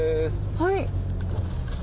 はい。